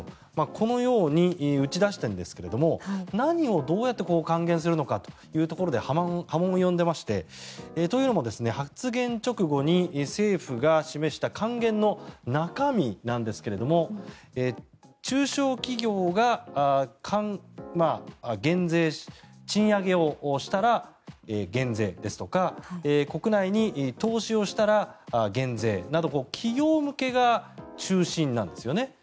このように打ち出しているんですが何を、どうやって還元するのかというところで波紋を呼んでいましてというのも発言直後に政府が示した還元の中身なんですけれども中小企業が賃上げをしたら減税ですとか国内に投資をしたら減税など企業向けが中心なんですよね。